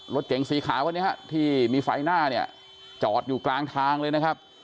รถเก๋งสีขาวคนนี้ฮะที่มีไฟหน้าเนี่ยจอดอยู่กลางทางเลยนะครับ